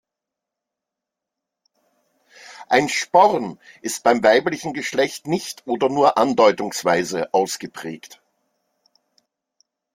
Ein Sporn ist beim weiblichen Geschlecht nicht oder nur andeutungsweise ausgeprägt.